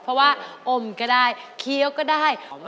เพราะว่าอมก็ได้เคี้ยวก็ได้